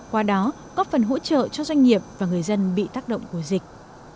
qua đó góp phần hỗ trợ cho doanh nghiệp và người dân bị tác động của dịch